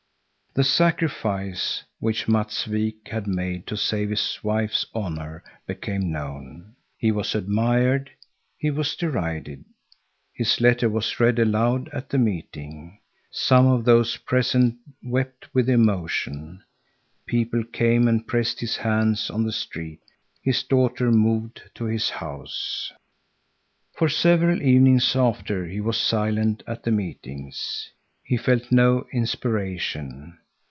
The sacrifice which Matts Wik had made to save his wife's honor became known. He was admired; he was derided. His letter was read aloud at the meeting. Some of those present wept with emotion. People came and pressed his hands on the street. His daughter moved to his house. For several evenings after he was silent at the meetings. He felt no inspiration.